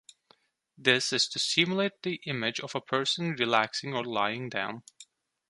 This is to simulate the image of a person relaxing or lying down.